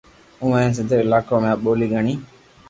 ھون ھين سند ري علاقون ۾ آ ٻولي گھڻي